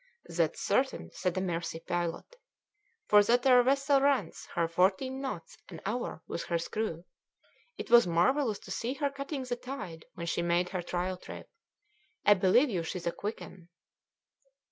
"That's certain," said a Mersey pilot; "for that 'ere vessel runs her fourteen knots an hour with her screw. It was marvellous to see her cutting the tide when she made her trial trip. I believe you, she's a quick un."